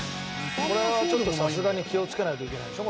これはちょっとさすがに気をつけないといけないでしょ？